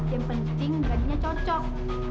yang penting jadinya cocok